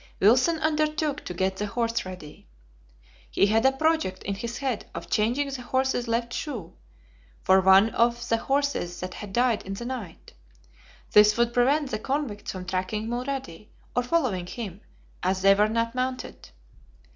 Wilson undertook to get the horse ready. He had a project in his head of changing the horse's left shoe, for one off the horses that had died in the night. This would prevent the convicts from tracking Mulrady, or following him, as they were not mounted.